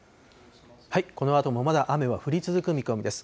このあともまだ雨は降り続く見込みです。